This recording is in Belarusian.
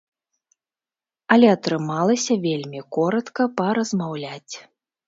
Але атрымалася вельмі коратка паразмаўляць.